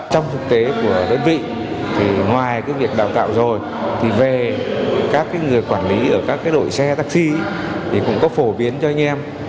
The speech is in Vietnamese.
trong thực tế của đơn vị ngoài việc đào tạo rồi về các người quản lý ở các đội xe taxi cũng có phổ biến cho anh em